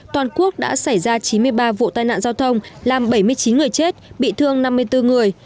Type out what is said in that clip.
toàn quốc đã xảy ra chín mươi ba vụ tai nạn giao thông làm bảy mươi chín người chết bị thương năm mươi bốn người